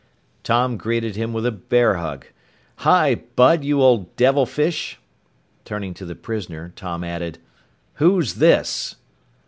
Tom greeted him with a bear hug. "Hi, Bud, you old devilfish!" Turning to the prisoner, Tom added "Who's this?"